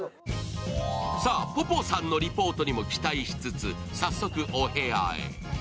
ＰＯＰＯさんのリポートにも期待しつつ早速、お部屋へ。